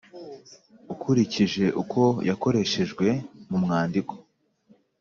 ukurikije uko yakoreshejwe mu mwandiko